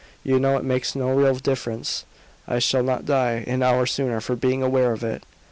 You know it makes no real difference. I shall not die an hour sooner for being aware of it."